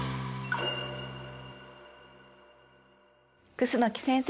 楠木先生